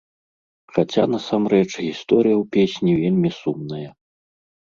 Хаця, насамрэч, гісторыя ў песні вельмі сумная.